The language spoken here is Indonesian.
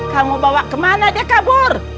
kamu bawa kemana dia kabur